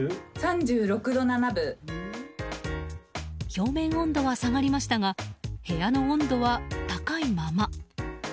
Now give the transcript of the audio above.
表面温度は下がりましたが部屋の温度は高いまま。